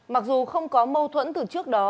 mặc dù không có mâu thuẫn từ trước đó